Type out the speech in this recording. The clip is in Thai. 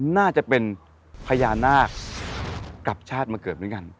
น่าจะเป็นพญานาคกลับชาติมาเกิดเหมือนกัน